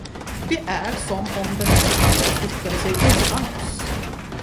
Det är, som om den där stranden flyttade sig undan oss.